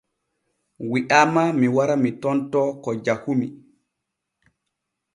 Wi’aama mi wara mi tontoo ko jahumi.